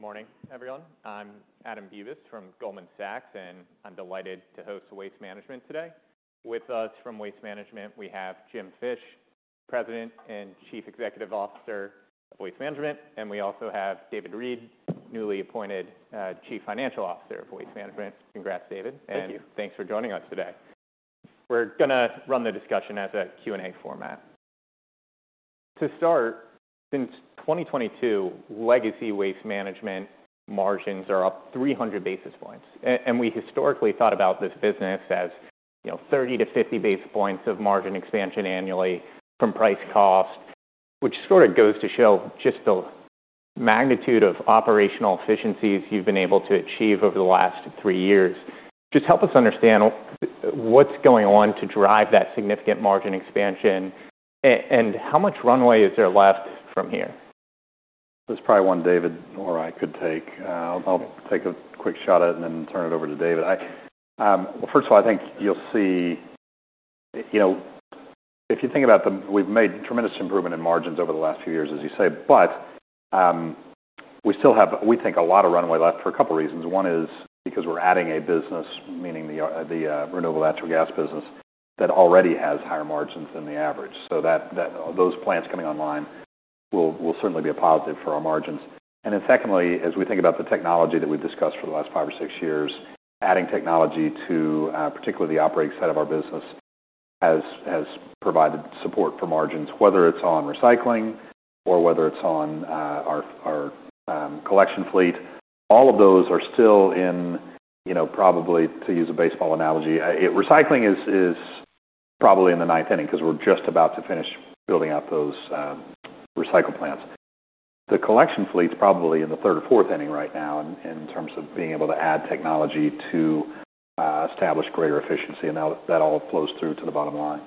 Good morning, everyone. I'm Adam Bubes from Goldman Sachs, and I'm delighted to host Waste Management today. With us from Waste Management, we have Jim Fish, President and Chief Executive Officer of Waste Management, and we also have David Reed, newly appointed Chief Financial Officer of Waste Management. Congrats, David. Thank you. And thanks for joining us today. We're going to run the discussion as a Q&A format. To start, since 2022, legacy Waste Management margins are up 300 basis points. And we historically thought about this business as 30 to 50 basis points of margin expansion annually from price cost, which sort of goes to show just the magnitude of operational efficiencies you've been able to achieve over the last three years. Just help us understand what's going on to drive that significant margin expansion, and how much runway is there left from here? There's probably one David or I could take. I'll take a quick shot at it and then turn it over to David. Well, first of all, I think you'll see if you think about that we've made tremendous improvement in margins over the last few years, as you say, but we still have, we think, a lot of runway left for a couple of reasons. One is because we're adding a business, meaning the renewable natural gas business, that already has higher margins than the average. So those plants coming online will certainly be a positive for our margins. And then secondly, as we think about the technology that we've discussed for the last five or six years, adding technology to particularly the operating side of our business has provided support for margins, whether it's on recycling or whether it's on our collection fleet. All of those are still in, probably to use a baseball analogy, recycling is probably in the ninth inning because we're just about to finish building out those recycle plants. The collection fleet's probably in the third or fourth inning right now in terms of being able to add technology to establish greater efficiency, and that all flows through to the bottom line.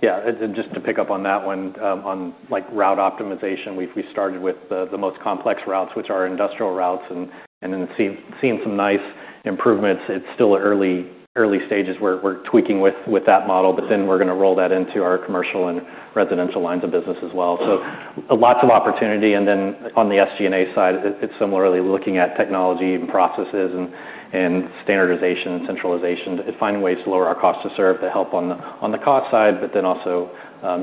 Yeah. And just to pick up on that one, on route optimization, we started with the most complex routes, which are industrial routes, and then seeing some nice improvements. It's still early stages where we're tweaking with that model, but then we're going to roll that into our commercial and residential lines of business as well. So lots of opportunity. And then on the SG&A side, it's similarly looking at technology and processes and standardization and centralization to find ways to lower our cost to serve to help on the cost side, but then also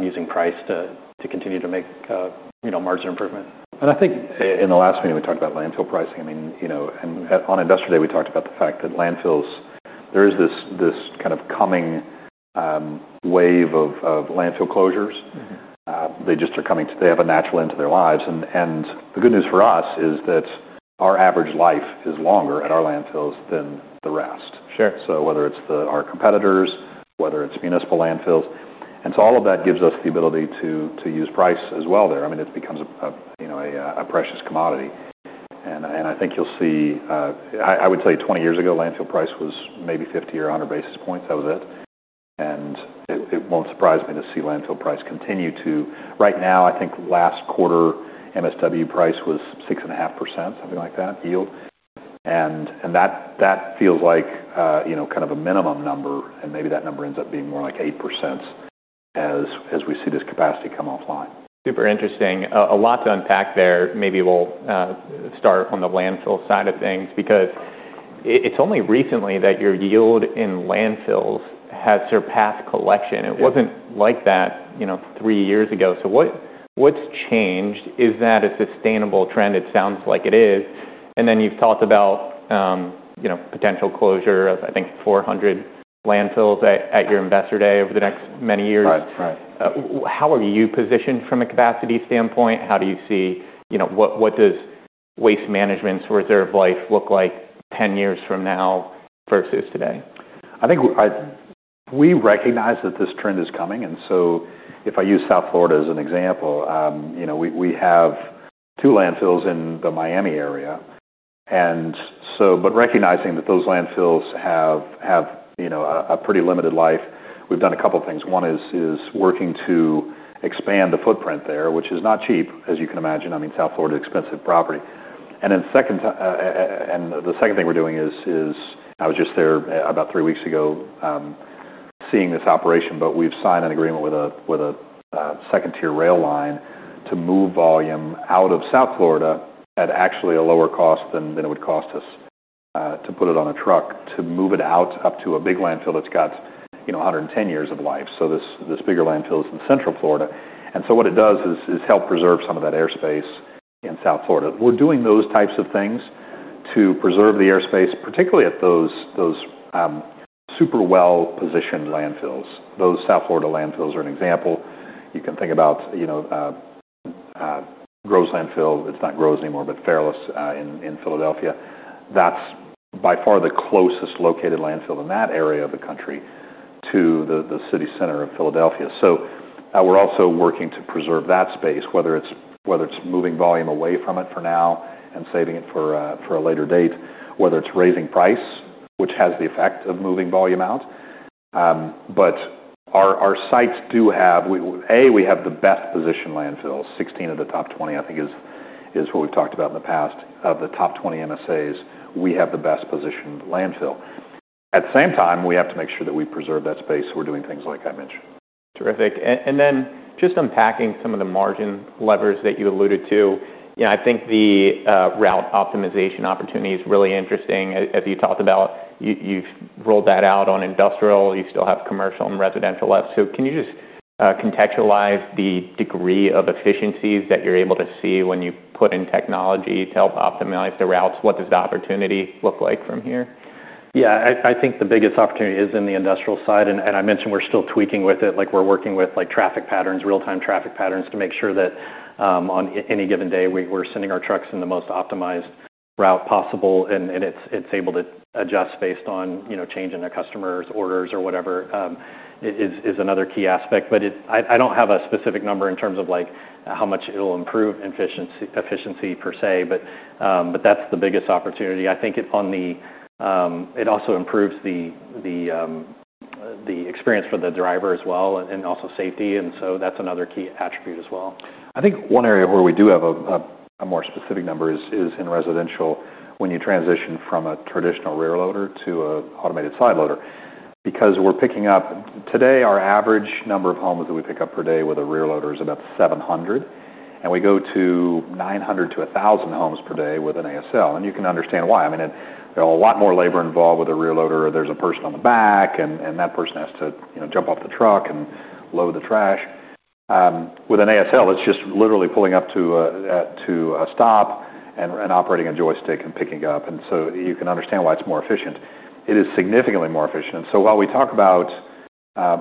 using price to continue to make margin improvement. I think in the last meeting, we talked about landfill pricing. I mean, on Investor Day, we talked about the fact that landfills, there is this kind of coming wave of landfill closures. They just are coming to have a natural end to their lives. The good news for us is that our average life is longer at our landfills than the rest. So whether it's our competitors, whether it's municipal landfills. All of that gives us the ability to use price as well there. I mean, it becomes a precious commodity. I think you'll see, I would say 20 years ago, landfill price was maybe 50 or 100 basis points. That was it. It won't surprise me to see landfill price continue to. Right now, I think last quarter MSW price was 6.5%, something like that, yield. That feels like kind of a minimum number, and maybe that number ends up being more like 8% as we see this capacity come offline. Super interesting. A lot to unpack there. Maybe we'll start on the landfill side of things because it's only recently that your yield in landfills has surpassed collection. It wasn't like that three years ago. So what's changed? Is that a sustainable trend? It sounds like it is. And then you've talked about potential closure of, I think, 400 landfills at your Investor Day over the next many years. How are you positioned from a capacity standpoint? How do you see what does Waste Management's reserve life look like 10 years from now versus today? I think we recognize that this trend is coming, and so if I use South Florida as an example, we have two landfills in the Miami area, and so, but recognizing that those landfills have a pretty limited life, we've done a couple of things. One is working to expand the footprint there, which is not cheap, as you can imagine. I mean, South Florida is expensive property, and the second thing we're doing is I was just there about three weeks ago seeing this operation, but we've signed an agreement with a second-tier rail line to move volume out of South Florida at actually a lower cost than it would cost us to put it on a truck to move it out up to a big landfill that's got 110 years of life, so this bigger landfill is in Central Florida. And so what it does is help preserve some of that airspace in South Florida. We're doing those types of things to preserve the airspace, particularly at those super well-positioned landfills. Those South Florida landfills are an example. You can think about GROWS landfill. It's not GROWS anymore, but Fairless in Philadelphia. That's by far the closest located landfill in that area of the country to the city center of Philadelphia. So we're also working to preserve that space, whether it's moving volume away from it for now and saving it for a later date, whether it's raising price, which has the effect of moving volume out. But our sites do have, A, we have the best positioned landfills, 16 of the top 20, I think is what we've talked about in the past, of the top 20 MSAs, we have the best positioned landfill. At the same time, we have to make sure that we preserve that space. We're doing things like I mentioned. Terrific. And then just unpacking some of the margin levers that you alluded to, I think the route optimization opportunity is really interesting. As you talked about, you've rolled that out on industrial. You still have commercial and residential left. So can you just contextualize the degree of efficiencies that you're able to see when you put in technology to help optimize the routes? What does the opportunity look like from here? Yeah. I think the biggest opportunity is in the industrial side. And I mentioned we're still tweaking with it. We're working with real-time traffic patterns to make sure that on any given day, we're sending our trucks in the most optimized route possible. And it's able to adjust based on changing a customer's orders or whatever is another key aspect. But I don't have a specific number in terms of how much it'll improve efficiency per se, but that's the biggest opportunity. I think it also improves the experience for the driver as well and also safety. And so that's another key attribute as well. I think one area where we do have a more specific number is in residential when you transition from a traditional rear loader to an automated side loader. Because we're picking up today, our average number of homes that we pick up per day with a rear loader is about 700. And we go to 900-1,000 homes per day with an ASL. And you can understand why. I mean, there's a lot more labor involved with a rear loader. There's a person on the back, and that person has to jump off the truck and load the trash. With an ASL, it's just literally pulling up to a stop and operating a joystick and picking up. And so you can understand why it's more efficient. It is significantly more efficient. And so while we talk about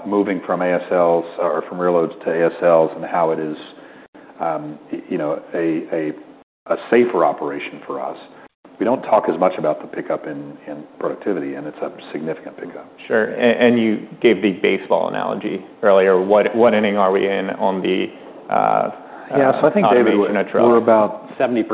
moving from ASLs or from rear loads to ASLs and how it is a safer operation for us, we don't talk as much about the pickup in productivity, and it's a significant pickup. Sure. And you gave the baseball analogy earlier. What inning are we in on the? Yeah. So I think David, we're about 70%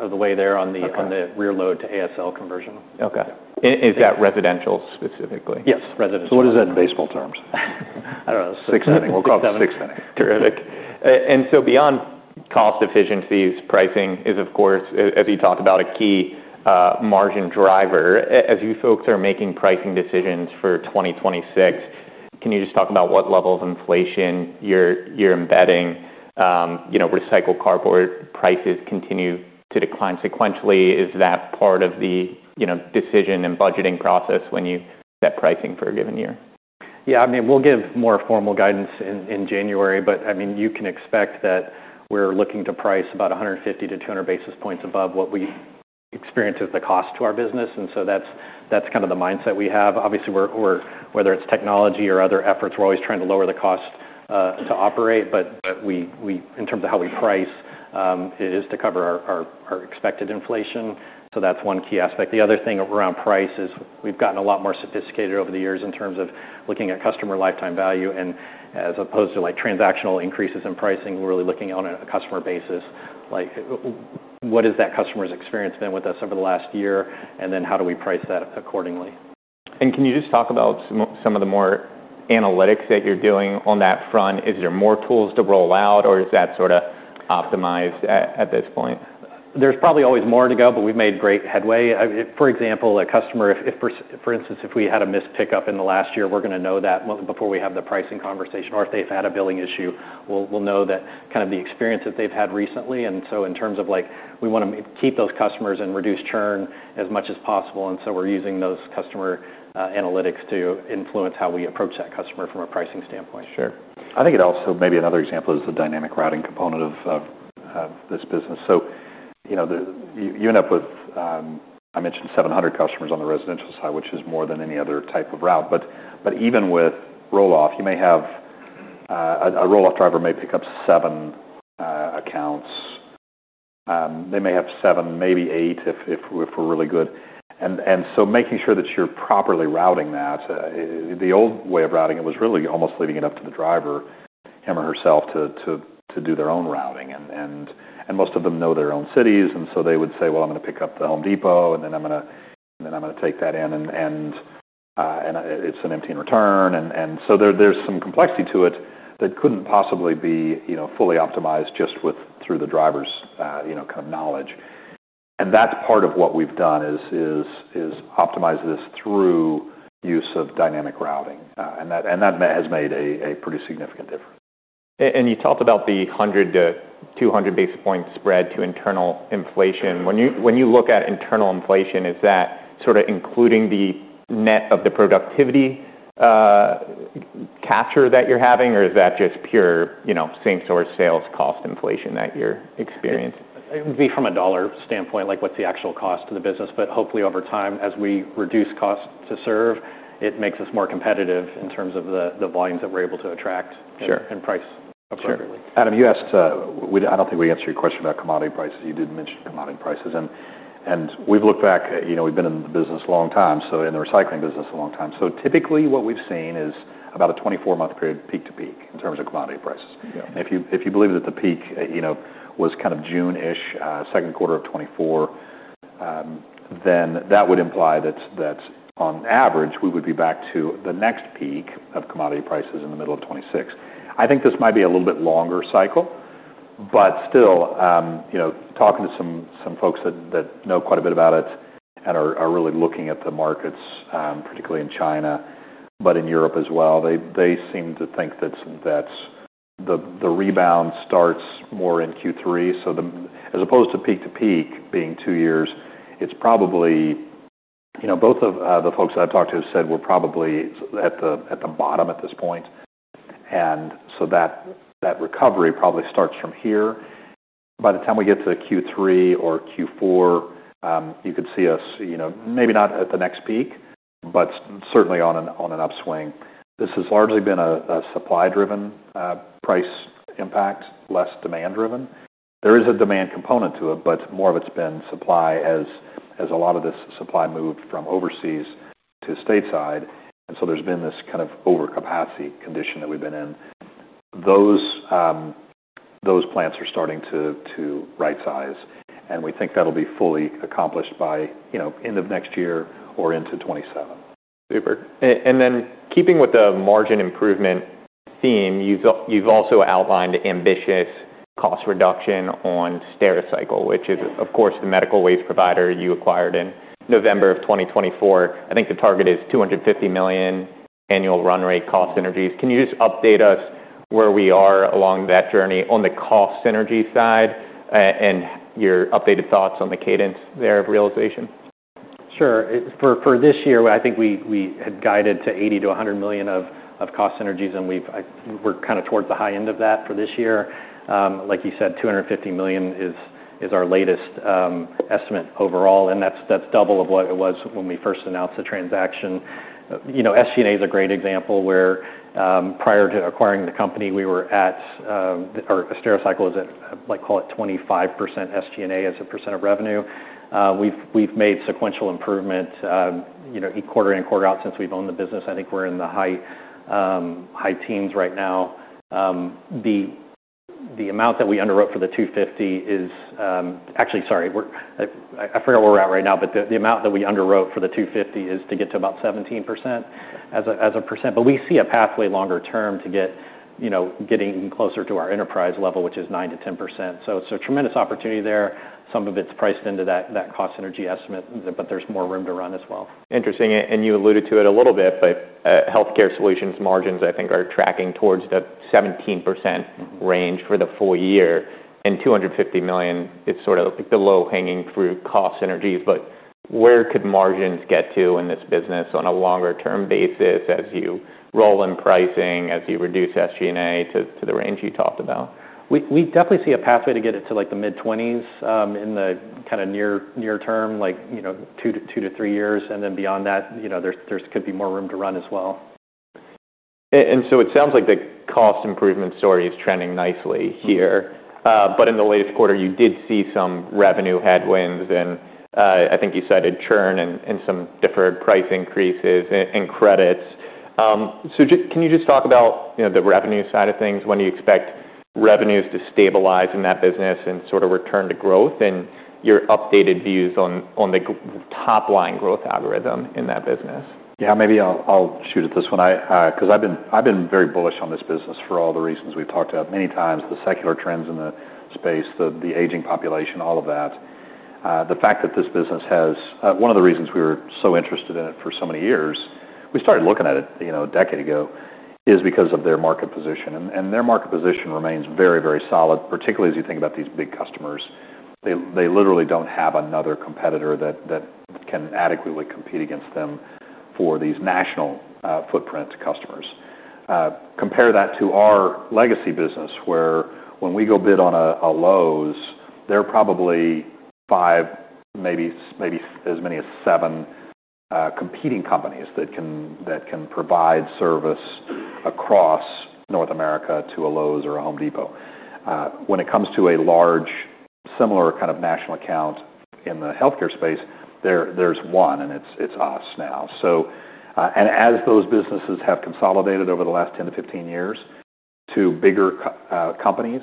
of the way there on the rear load to ASL conversion. Okay. Is that residential specifically? Yes. Residential. So what is that in baseball terms? I don't know. Six inning. We'll call it six inning. Terrific, and so beyond cost efficiencies, pricing is, of course, as you talked about, a key margin driver. As you folks are making pricing decisions for 2026, can you just talk about what level of inflation you're embedding? Recycled cardboard prices continue to decline sequentially. Is that part of the decision and budgeting process when you set pricing for a given year? Yeah. I mean, we'll give more formal guidance in January, but I mean, you can expect that we're looking to price about 150-200 basis points above what we experience as the cost to our business. And so that's kind of the mindset we have. Obviously, whether it's technology or other efforts, we're always trying to lower the cost to operate. But in terms of how we price, it is to cover our expected inflation. So that's one key aspect. The other thing around price is we've gotten a lot more sophisticated over the years in terms of looking at customer lifetime value. And as opposed to transactional increases in pricing, we're really looking on a customer basis. What has that customer's experience been with us over the last year? And then how do we price that accordingly? Can you just talk about some of the more analytics that you're doing on that front? Is there more tools to roll out, or is that sort of optimized at this point? There's probably always more to go, but we've made great headway. For example, a customer, for instance, if we had a missed pickup in the last year, we're going to know that before we have the pricing conversation. Or if they've had a billing issue, we'll know that kind of the experience that they've had recently. And so in terms of we want to keep those customers and reduce churn as much as possible. And so we're using those customer analytics to influence how we approach that customer from a pricing standpoint. Sure. I think it also maybe another example is the dynamic routing component of this business. So you end up with, I mentioned, 700 customers on the residential side, which is more than any other type of route. But even with roll-off, you may have a roll-off driver may pick up seven accounts. They may have seven, maybe eight, if we're really good. And so making sure that you're properly routing that. The old way of routing it was really almost leaving it up to the driver him or herself to do their own routing. And most of them know their own cities. And so they would say, "Well, I'm going to pick up the Home Depot, and then I'm going to take that in, and it's an emptying return." And so there's some complexity to it that couldn't possibly be fully optimized just through the driver's kind of knowledge. That's part of what we've done is optimize this through use of dynamic routing. That has made a pretty significant difference. You talked about the 100-200 basis points spread to internal inflation. When you look at internal inflation, is that sort of including the net of the productivity capture that you're having, or is that just pure same-store sales cost inflation that you're experiencing? It would be from a dollar standpoint, like what's the actual cost to the business, but hopefully, over time, as we reduce cost to serve, it makes us more competitive in terms of the volumes that we're able to attract and price appropriately. Sure. Adam, I don't think we answered your question about commodity prices. You did mention commodity prices. And we've looked back. We've been in the business a long time, so in the recycling business a long time. So typically, what we've seen is about a 24-month period peak-to-peak in terms of commodity prices. If you believe that the peak was kind of June-ish, second quarter of 2024, then that would imply that on average, we would be back to the next peak of commodity prices in the middle of 2026. I think this might be a little bit longer cycle. But still, talking to some folks that know quite a bit about it and are really looking at the markets, particularly in China, but in Europe as well, they seem to think that the rebound starts more in Q3. So, as opposed to peak-to-peak being two years, it's probably both of the folks that I've talked to have said we're probably at the bottom at this point. And so that recovery probably starts from here. By the time we get to Q3 or Q4, you could see us maybe not at the next peak, but certainly on an upswing. This has largely been a supply-driven price impact, less demand-driven. There is a demand component to it, but more of it's been supply as a lot of this supply moved from overseas to stateside. And so there's been this kind of overcapacity condition that we've been in. Those plants are starting to right-size. And we think that'll be fully accomplished by end of next year or into 2027. Super. And then keeping with the margin improvement theme, you've also outlined ambitious cost reduction on Stericycle, which is, of course, the medical waste provider you acquired in November of 2024. I think the target is $250 million annual run rate cost synergies. Can you just update us where we are along that journey on the cost synergy side and your updated thoughts on the cadence thereof realization? Sure. For this year, I think we had guided to $80 million-$100 million of cost synergies, and we're kind of towards the high end of that for this year. Like you said, $250 million is our latest estimate overall, and that's double of what it was when we first announced the transaction. SG&A is a great example where prior to acquiring the company, we were at, or Stericycle is at, call it 25% SG&A as a percent of revenue. We've made sequential improvement quarter in, quarter out since we've owned the business. I think we're in the high teens right now. The amount that we underwrote for the 250 is actually, sorry, I forgot where we're at right now, but the amount that we underwrote for the 250 is to get to about 17% as a percent. But we see a pathway longer-term to getting closer to our enterprise level, which is 9%-10%. So it's a tremendous opportunity there. Some of it's priced into that cost synergy estimate, but there's more room to run as well. Interesting. And you alluded to it a little bit, but Healthcare Solutions margins, I think, are tracking towards the 17% range for the full year. And $250 million is sort of the low-hanging fruit cost synergies. But where could margins get to in this business on a longer-term basis as you roll in pricing, as you reduce SG&A to the range you talked about? We definitely see a pathway to get it to the mid-20s in the kind of near term, like two to three years. And then beyond that, there could be more room to run as well. And so it sounds like the cost improvement story is trending nicely here. But in the latest quarter, you did see some revenue headwinds. And I think you cited churn and some deferred price increases and credits. So can you just talk about the revenue side of things? When do you expect revenues to stabilize in that business and sort of return to growth and your updated views on the top-line growth algorithm in that business? Yeah. Maybe I'll shoot at this one because I've been very bullish on this business for all the reasons we've talked about many times: the secular trends in the space, the aging population, all of that. The fact that this business has one of the reasons we were so interested in it for so many years, we started looking at it a decade ago, is because of their market position. And their market position remains very, very solid, particularly as you think about these big customers. They literally don't have another competitor that can adequately compete against them for these national footprint customers. Compare that to our legacy business, where when we go bid on a Lowe's, there are probably five, maybe as many as seven competing companies that can provide service across North America to a Lowe's or a Home Depot. When it comes to a large, similar kind of national account in the healthcare space, there's one, and it's us now. And as those businesses have consolidated over the last 10 years-15 years to bigger companies,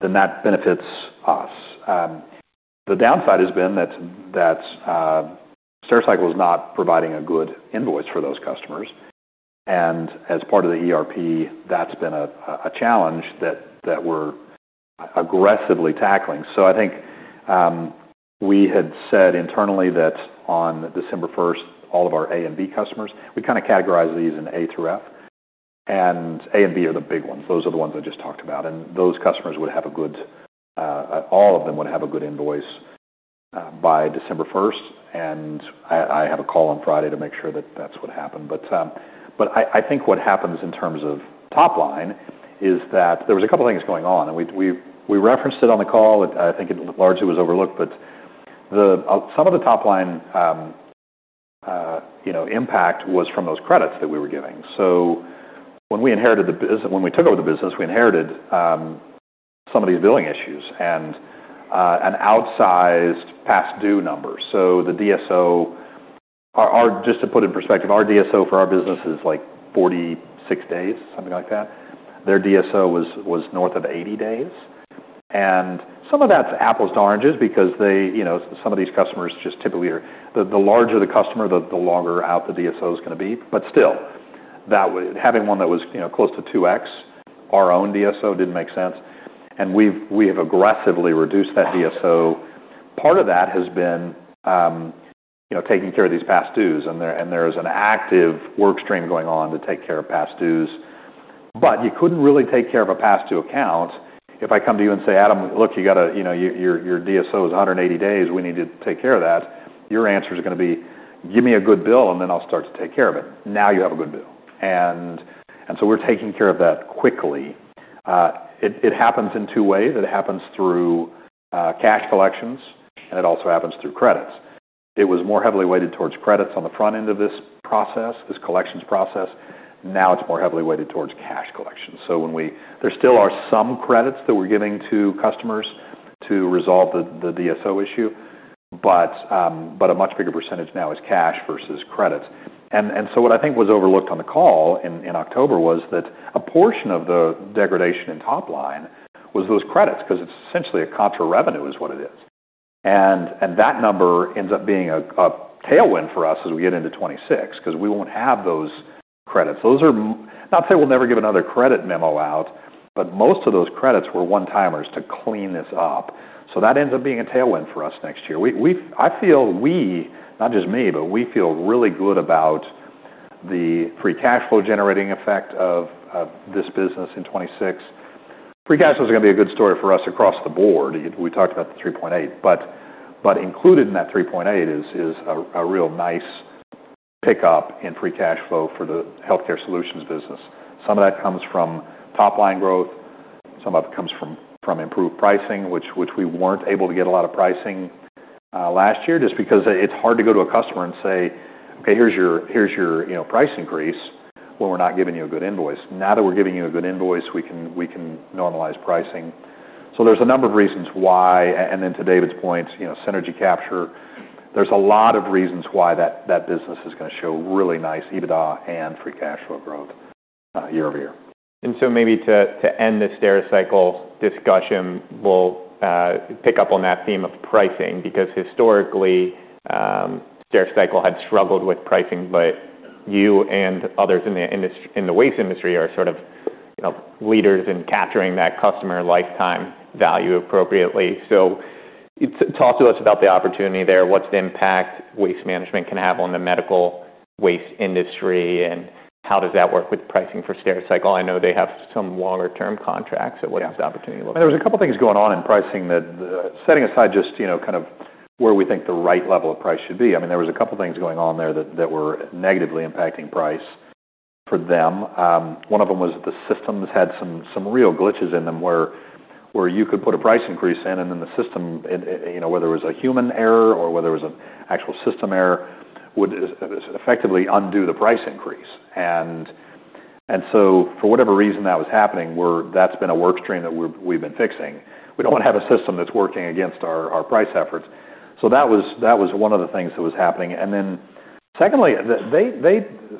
then that benefits us. The downside has been that Stericycle is not providing a good invoice for those customers. And as part of the ERP, that's been a challenge that we're aggressively tackling. So I think we had said internally that on December 1st, all of our A and B customers, we kind of categorize these in A through F. And A and B are the big ones. Those are the ones I just talked about. And those customers would have a good invoice, all of them would have a good invoice, by December 1st. And I have a call on Friday to make sure that that's what happened. But I think what happens in terms of top-line is that there was a couple of things going on. And we referenced it on the call. I think it largely was overlooked. But some of the top-line impact was from those credits that we were giving. So when we inherited the business, when we took over the business, we inherited some of these billing issues and an outsized past due number. So the DSO, just to put it in perspective, our DSO for our business is like 46 days, something like that. Their DSO was north of 80 days. And some of that's apples to oranges because some of these customers just typically are, the larger the customer, the longer out the DSO is going to be. But still, having one that was close to 2X our own DSO didn't make sense. And we have aggressively reduced that DSO. Part of that has been taking care of these past dues. And there is an active workstream going on to take care of past dues. But you couldn't really take care of a past due account if I come to you and say, "Adam, look, you got to your DSO is 180 days. We need to take care of that." Your answer is going to be, "Give me a good bill, and then I'll start to take care of it." Now you have a good bill. And so we're taking care of that quickly. It happens in two ways. It happens through cash collections, and it also happens through credits. It was more heavily weighted towards credits on the front end of this process, this collections process. Now it's more heavily weighted towards cash collections. So there still are some credits that we're giving to customers to resolve the DSO issue. But a much bigger percentage now is cash versus credits. And so what I think was overlooked on the call in October was that a portion of the degradation in top-line was those credits because it's essentially a contra revenue, is what it is. And that number ends up being a tailwind for us as we get into 2026 because we won't have those credits. Not to say we'll never give another credit memo out, but most of those credits were one-timers to clean this up. So that ends up being a tailwind for us next year. I feel we, not just me, but we feel really good about the free cash flow generating effect of this business in 2026. Free cash flow is going to be a good story for us across the board. We talked about the 3.8. But included in that 3.8 is a real nice pickup in free cash flow for the Healthcare Solutions business. Some of that comes from top-line growth. Some of it comes from improved pricing, which we weren't able to get a lot of pricing last year just because it's hard to go to a customer and say, "Okay, here's your price increase when we're not giving you a good invoice." Now that we're giving you a good invoice, we can normalize pricing. So there's a number of reasons why. And then to David's point, synergy capture, there's a lot of reasons why that business is going to show really nice EBITDA and free cash flow growth year-over-year. And so maybe to end the Stericycle discussion, we'll pick up on that theme of pricing because historically, Stericycle had struggled with pricing, but you and others in the waste industry are sort of leaders in capturing that customer lifetime value appropriately. So talk to us about the opportunity there. What's the impact Waste Management can have on the medical waste industry, and how does that work with pricing for Stericycle? I know they have some longer-term contracts. So what does the opportunity look like? There were a couple of things going on in pricing that, setting aside just kind of where we think the right level of price should be, I mean, there were a couple of things going on there that were negatively impacting price for them. One of them was that the systems had some real glitches in them where you could put a price increase in, and then the system, whether it was a human error or whether it was an actual system error, would effectively undo the price increase. And so for whatever reason that was happening, that's been a workstream that we've been fixing. We don't want to have a system that's working against our price efforts. So that was one of the things that was happening. And then secondly,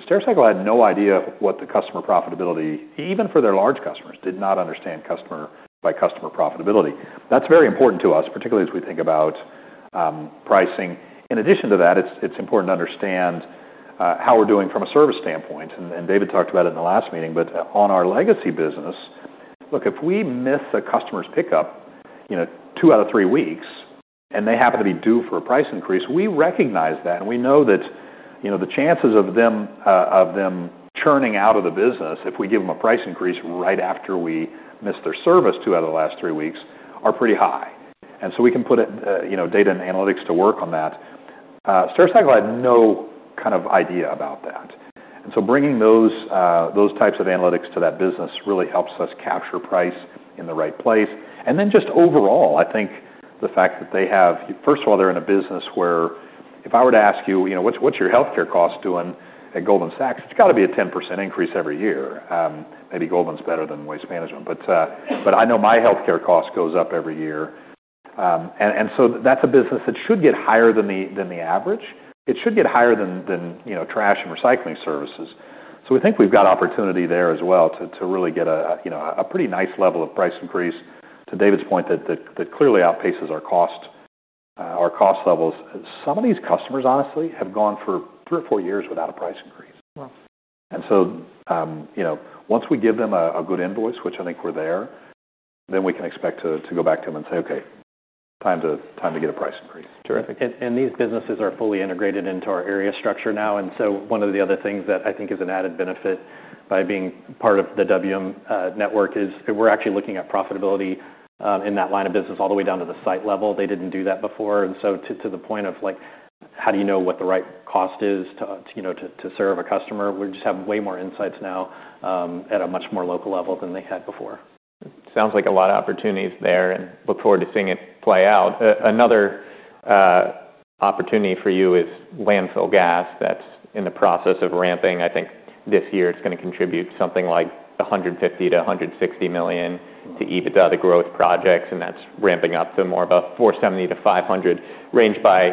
Stericycle had no idea what the customer profitability, even for their large customers, did not understand customer-by-customer profitability. That's very important to us, particularly as we think about pricing. In addition to that, it's important to understand how we're doing from a service standpoint. And David talked about it in the last meeting, but on our legacy business, look, if we miss a customer's pickup two out of three weeks and they happen to be due for a price increase, we recognize that. And we know that the chances of them churning out of the business if we give them a price increase right after we miss their service two out of the last three weeks are pretty high. And so we can put data and analytics to work on that. Stericycle had no kind of idea about that. And so bringing those types of analytics to that business really helps us capture price in the right place. And then just overall, I think the fact that they have, first of all, they're in a business where if I were to ask you, "What's your healthcare cost doing at Goldman Sachs?" It's got to be a 10% increase every year. Maybe Goldman's better than Waste Management. But I know my healthcare cost goes up every year. And so that's a business that should get higher than the average. It should get higher than trash and recycling services. So we think we've got opportunity there as well to really get a pretty nice level of price increase to David's point that clearly outpaces our cost levels. Some of these customers, honestly, have gone for three or four years without a price increase. And so once we give them a good invoice, which I think we're there, then we can expect to go back to them and say, "Okay, time to get a price increase. Terrific. And these businesses are fully integrated into our area structure now. And so one of the other things that I think is an added benefit by being part of the WM network is we're actually looking at profitability in that line of business all the way down to the site level. They didn't do that before. And so to the point of how do you know what the right cost is to serve a customer, we just have way more insights now at a much more local level than they had before. Sounds like a lot of opportunities there and look forward to seeing it play out. Another opportunity for you is landfill gas that's in the process of ramping. I think this year it's going to contribute something like $150 million-$160 million to EBITDA to growth projects. That's ramping up to more of a 470-500 range by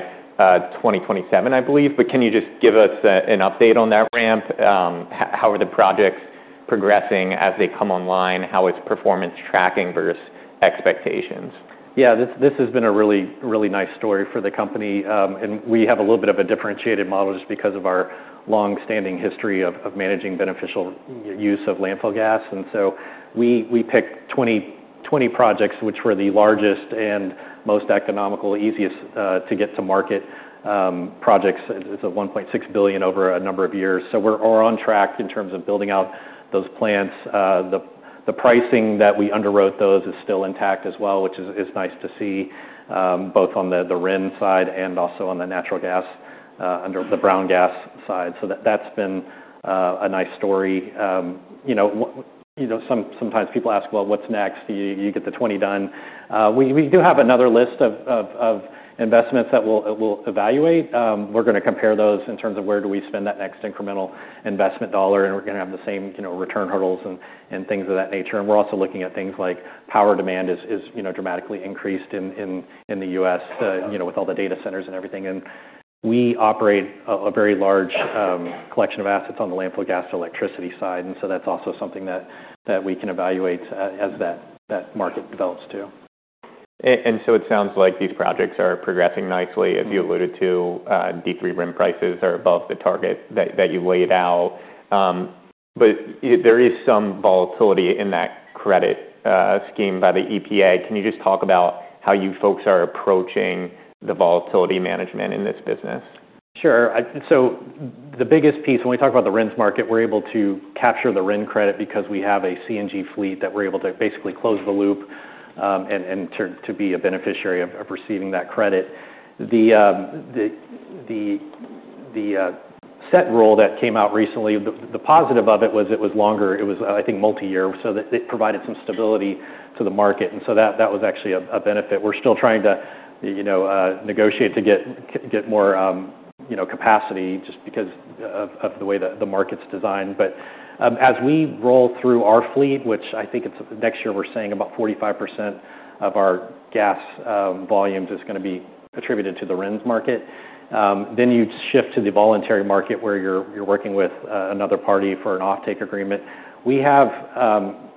2027, I believe. Can you just give us an update on that ramp? How are the projects progressing as they come online? How is performance tracking versus expectations? Yeah, this has been a really, really nice story for the company. And we have a little bit of a differentiated model just because of our long-standing history of managing beneficial use of landfill gas. And so we picked 20 projects, which were the largest and most economical, easiest to get to market projects. It's a $1.6 billion over a number of years. So we're on track in terms of building out those plants. The pricing that we underwrote those is still intact as well, which is nice to see both on the RIN side and also on the natural gas, the brown gas side. So that's been a nice story. Sometimes people ask, "Well, what's next?" You get the 20 done. We do have another list of investments that we'll evaluate. We're going to compare those in terms of where do we spend that next incremental investment dollar. We're going to have the same return hurdles and things of that nature. We're also looking at things like power demand is dramatically increased in the U.S. with all the data centers and everything. That's also something that we can evaluate as that market develops too. And so it sounds like these projects are progressing nicely. As you alluded to, D3 RIN prices are above the target that you laid out. But there is some volatility in that credit scheme by the EPA. Can you just talk about how you folks are approaching the volatility management in this business? Sure. So the biggest piece, when we talk about the RINs market, we're able to capture the RIN credit because we have a CNG fleet that we're able to basically close the loop and to be a beneficiary of receiving that credit. The Set Rule that came out recently, the positive of it was it was longer. It was, I think, multi-year, so it provided some stability to the market, and so that was actually a benefit. We're still trying to negotiate to get more capacity just because of the way that the market's designed, but as we roll through our fleet, which I think next year we're saying about 45% of our gas volumes is going to be attributed to the RINs market, then you shift to the voluntary market where you're working with another party for an offtake agreement. We have a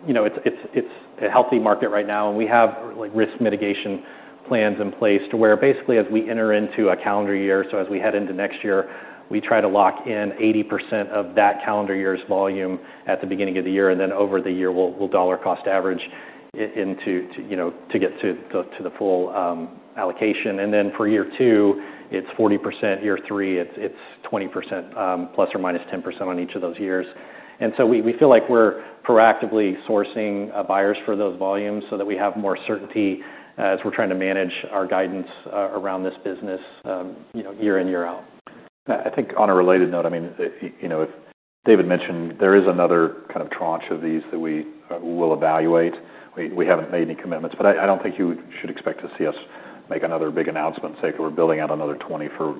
healthy market right now. And we have risk mitigation plans in place to where basically as we enter into a calendar year, so as we head into next year, we try to lock in 80% of that calendar year's volume at the beginning of the year. And then over the year, we'll dollar cost average to get to the full allocation. And then for year two, it's 40%. Year three, it's 20%, ±10% on each of those years. And so we feel like we're proactively sourcing buyers for those volumes so that we have more certainty as we're trying to manage our guidance around this business year in, year out. I think on a related note, I mean, David mentioned there is another kind of tranche of these that we will evaluate. We haven't made any commitments. But I don't think you should expect to see us make another big announcement saying we're building out another 20 for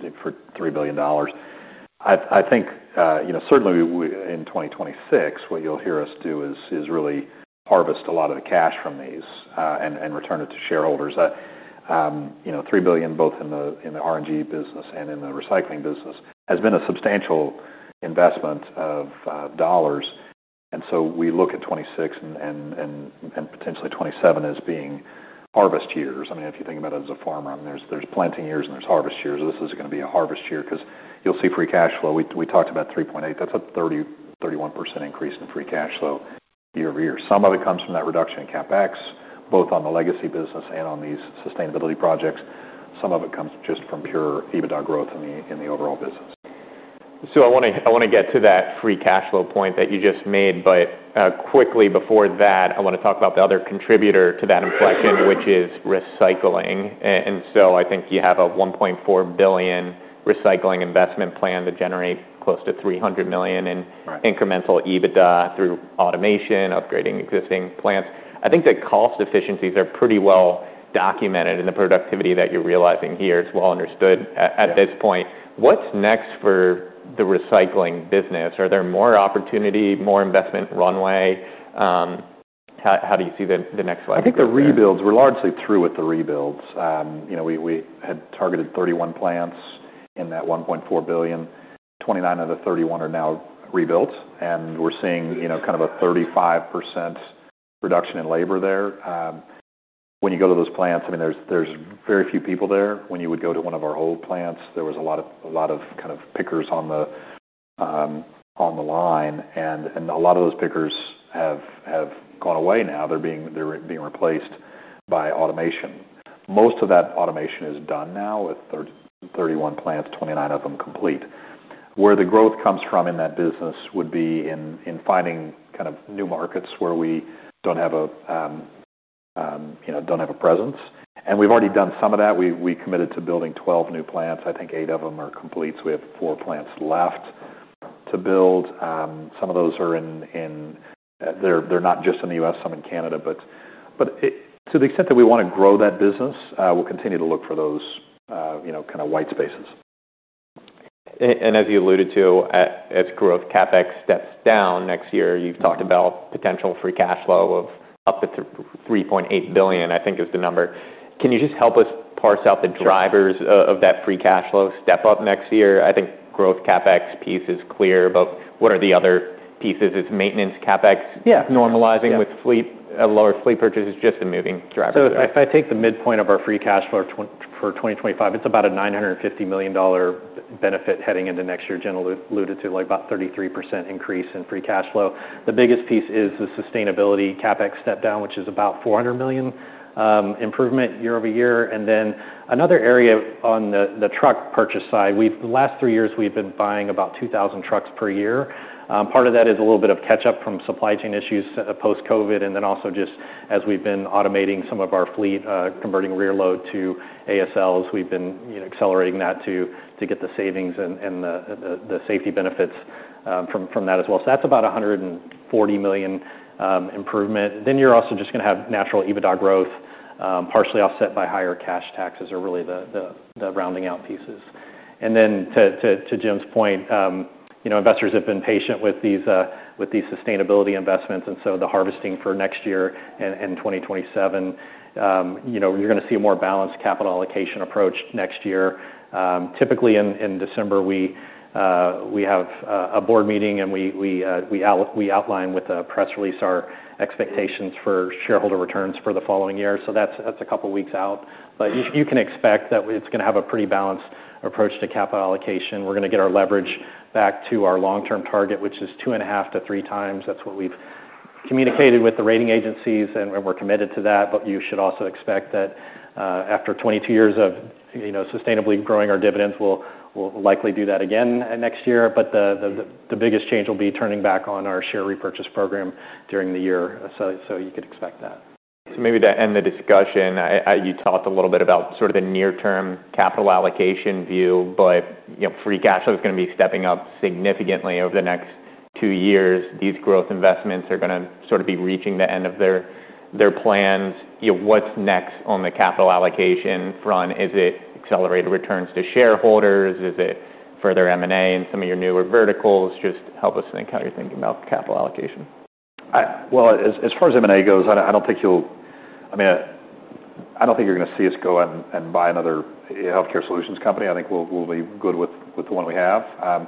$3 billion. I think certainly in 2026, what you'll hear us do is really harvest a lot of the cash from these and return it to shareholders. $3 billion, both in the RNG business and in the recycling business, has been a substantial investment of dollars. And so we look at 2026 and potentially 2027 as being harvest years. I mean, if you think about it as a farmer, there's planting years and there's harvest years. This is going to be a harvest year because you'll see free cash flow. We talked about 3.8. That's a 31% increase in free cash flow year-over-year. Some of it comes from that reduction in CapEx, both on the legacy business and on these sustainability projects. Some of it comes just from pure EBITDA growth in the overall business. So I want to get to that free cash flow point that you just made. But quickly before that, I want to talk about the other contributor to that inflection, which is recycling. And so I think you have a $1.4 billion recycling investment plan to generate close to $300 million in incremental EBITDA through automation, upgrading existing plants. I think the cost efficiencies are pretty well documented in the productivity that you're realizing here is well understood at this point. What's next for the recycling business? Are there more opportunity, more investment runway? How do you see the next leg of the process? I think the rebuilds, we're largely through with the rebuilds. We had targeted 31 plants in that $1.4 billion. 29 of the 31 are now rebuilt. And we're seeing kind of a 35% reduction in labor there. When you go to those plants, I mean, there's very few people there. When you would go to one of our old plants, there was a lot of kind of pickers on the line. And a lot of those pickers have gone away now. They're being replaced by automation. Most of that automation is done now with 31 plants, 29 of them complete. Where the growth comes from in that business would be in finding kind of new markets where we don't have a presence. And we've already done some of that. We committed to building 12 new plants. I think 8 of them are complete. So we have four plants left to build. Some of those are in, they're not just in the U.S., some in Canada. But to the extent that we want to grow that business, we'll continue to look for those kind of white spaces. And as you alluded to, as growth CapEx steps down next year, you've talked about potential free cash flow of up to $3.8 billion, I think is the number. Can you just help us parse out the drivers of that free cash flow step up next year? I think growth CapEx piece is clear, but what are the other pieces? Is maintenance CapEx normalizing with lower fleet purchases? Just a moving driver there. So if I take the midpoint of our free cash flow for 2025, it's about a $950 million benefit heading into next year. Jim alluded to about a 33% increase in free cash flow. The biggest piece is the sustainability CapEx step down, which is about $400 million improvement year-over-year. And then another area on the truck purchase side, the last three years, we've been buying about 2,000 trucks per year. Part of that is a little bit of catch-up from supply chain issues post-COVID. And then also just as we've been automating some of our fleet, converting rear load to ASLs, we've been accelerating that to get the savings and the safety benefits from that as well. So that's about a $140 million improvement. Then you're also just going to have natural EBITDA growth, partially offset by higher cash taxes, are really the rounding out pieces. Then to Jim's point, investors have been patient with these sustainability investments. So the harvesting for next year and 2027, you're going to see a more balanced capital allocation approach next year. Typically in December, we have a board meeting and we outline with a press release our expectations for shareholder returns for the following year. So that's a couple of weeks out. But you can expect that it's going to have a pretty balanced approach to capital allocation. We're going to get our leverage back to our long-term target, which is 2.5-3 times. That's what we've communicated with the rating agencies and we're committed to that. But you should also expect that after 22 years of sustainably growing our dividends, we'll likely do that again next year. But the biggest change will be turning back on our share repurchase program during the year. So you could expect that. So maybe to end the discussion, you talked a little bit about sort of the near-term capital allocation view, but free cash flow is going to be stepping up significantly over the next two years. These growth investments are going to sort of be reaching the end of their plans. What's next on the capital allocation front? Is it accelerated returns to shareholders? Is it further M&A in some of your newer verticals? Just help us think how you're thinking about capital allocation. As far as M&A goes, I don't think you'll, I mean, I don't think you're going to see us go and buy another healthcare solutions company. I think we'll be good with the one we have.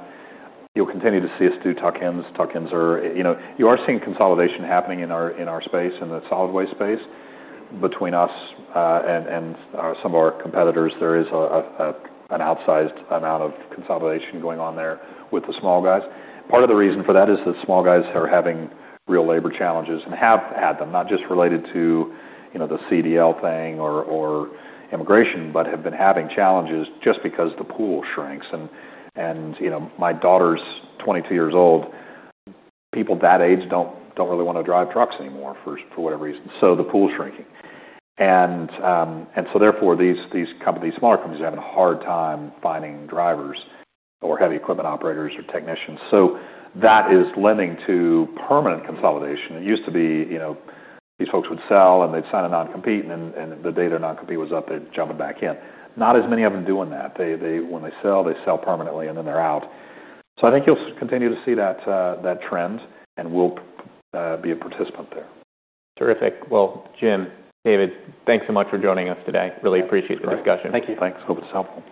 You'll continue to see us do tuck-ins. Tuck-ins are, you are seeing consolidation happening in our space, in the solid waste space. Between us and some of our competitors, there is an outsized amount of consolidation going on there with the small guys. Part of the reason for that is the small guys are having real labor challenges and have had them, not just related to the CDL thing or immigration, but have been having challenges just because the pool shrinks. And my daughter's 22 years old, people that age don't really want to drive trucks anymore for whatever reason. So the pool's shrinking. And so therefore, these small companies are having a hard time finding drivers or heavy equipment operators or technicians. So that is lending to permanent consolidation. It used to be these folks would sell and they'd sign a non-compete. And the day their non-compete was up, they'd jump it back in. Not as many of them doing that. When they sell, they sell permanently and then they're out. So I think you'll continue to see that trend and we'll be a participant there. Terrific. Well, Jim, David, thanks so much for joining us today. Really appreciate the discussion. Thank you. Thanks. Hope it's helpful.